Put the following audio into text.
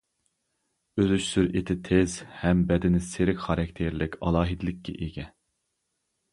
ئۈزۈش سۈرئىتى تېز ھەم بەدىنى سېرك خاراكتېرلىك ئالاھىدىلىككە ئىگە.